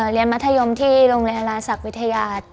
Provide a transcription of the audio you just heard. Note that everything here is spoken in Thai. มัธยมที่โรงเรียนธนาศักดิ์วิทยา